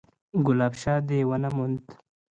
_ګلاب شاه دې ونه موند؟